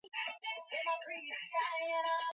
Kihistoria siku ya uhuru wa vyombo vya habari